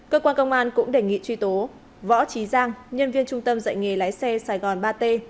cơ quan công an cũng đề nghị truy tố võ trí giang nhân viên trung tâm dạy nghề lái xe sài gòn ba t